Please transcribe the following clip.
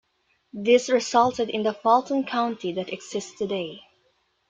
This resulted in the Fulton County that exists today.